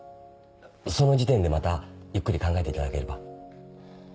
その時点でまたゆっくり考えていただければ。